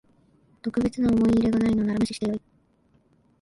特別な思い入れがないのなら無視してよい